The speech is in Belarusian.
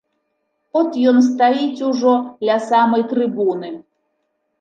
От ён стаіць ужо ля самай трыбуны.